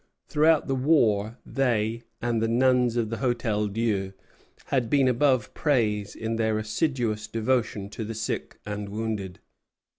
Throughout the war they and the nuns of the Hôtel Dieu had been above praise in their assiduous devotion to the sick and wounded.